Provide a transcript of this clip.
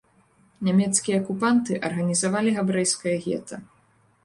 Нямецкія акупанты арганізавалі габрэйскае гета.